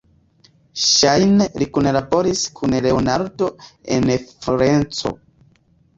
Ŝajne li kunlaboris kun Leonardo en Florenco.